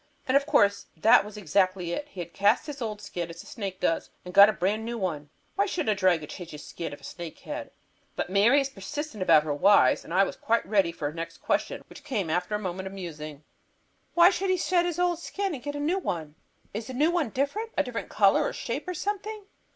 And, of course, that was exactly it. He had cast his old skin, as a snake does, and had got a brand new one. Why shouldn't a dragon change his skin if a snake can? But Mary is persistent about her "whys," and I was quite ready for her next question, which came after a moment of musing. "Why should he shed his old skin and get a new one? Is the new one different; a different color or shape or something?"